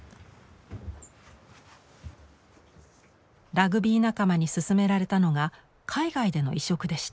ラグビー仲間に勧められたのが海外での移植でした。